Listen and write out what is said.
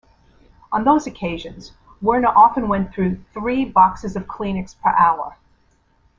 On those occasions, Werner often went through three boxes of Kleenex per hour.